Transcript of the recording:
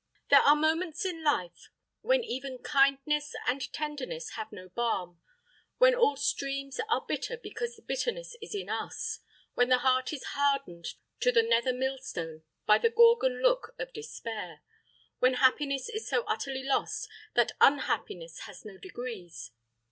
There are moments in life when even kindness and tenderness have no balm when all streams are bitter because the bitterness is in us when the heart is hardened to the nether millstone by the Gorgon look of despair when happiness is so utterly lost that unhappiness has no degrees.